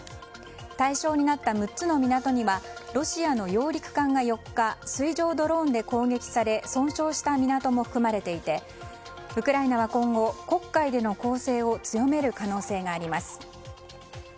対象になった６つの港にはロシアの揚陸艦が４日、水上ドローンで攻撃され損傷した港も含まれていてウクライナは今後黒海での攻勢を強める可能性があります。